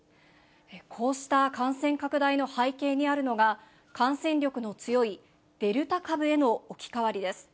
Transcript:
こうした感染拡大の背景にあるのが、感染力の強いデルタ株への置き換わりです。